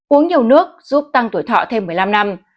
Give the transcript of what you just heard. uống nhiều nước giúp tăng tuổi thọ thêm một mươi năm năm